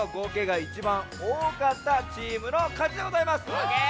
オーケー！